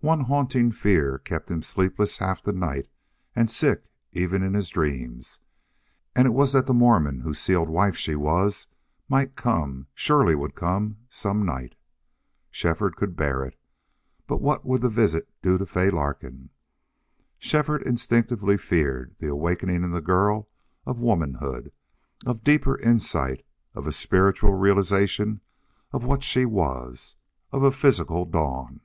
One haunting fear kept him sleepless half the nights and sick even in his dreams, and it was that the Mormon whose sealed wife she was might come, surely would come, some night. Shefford could bear it. But what would that visit do to Fay Larkin? Shefford instinctively feared the awakening in the girl of womanhood, of deeper insight, of a spiritual realization of what she was, of a physical dawn.